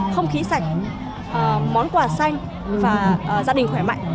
không khí sạch món quà xanh và gia đình khỏe mạnh